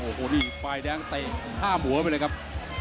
โอ้โหนี่ฝ่ายแดงเตะฆ่าหัวไปเลยครับ